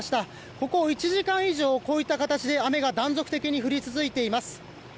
ここ１時間以上こういった形で雨が断続的に降り続いています。